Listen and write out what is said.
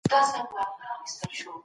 د حق لپاره باید ږغ پورته کړو.